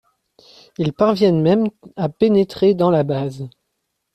Ils parviennent même à pénétrer dans la base.